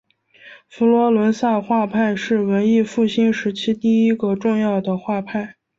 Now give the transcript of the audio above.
佛罗伦萨画派是文艺复兴时期第一个重要的画派。